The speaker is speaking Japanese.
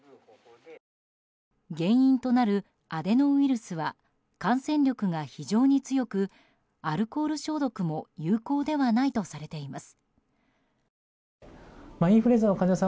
原因となるアデノウイルスは感染力が非常に強くアルコール消毒も有効ではないとされています。